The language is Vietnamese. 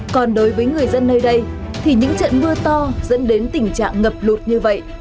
còn đối với người dân nơi đây thì những trận mưa to dẫn đến tình trạng ngập lụt như vậy